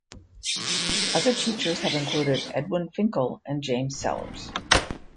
Other teachers have included Edwin Finckel and James Sellars.